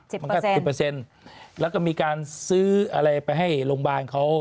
สิบเปอร์เซ็นต์มันก็สิบเปอร์เซ็นต์แล้วก็มีการซื้ออะไรไปให้โรงบาลเขา